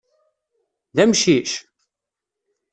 D amcic?